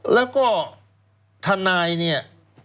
แล้วก็ทนายเนี่ย